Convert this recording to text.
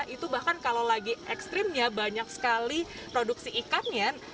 itu bahkan kalau lagi ekstrimnya banyak sekali produksi ikannya